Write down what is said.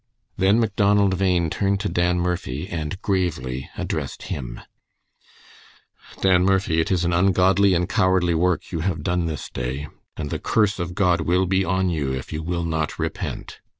Then Macdonald Bhain turned to Dan Murphy and gravely addressed him: "Dan Murphy, it is an ungodly and cowardly work you have done this day, and the curse of God will be on you if you will not repent."